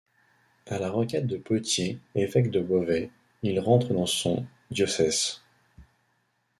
À la requête de Pothier, évêque de Beauvais, il rentre dans son diocèse.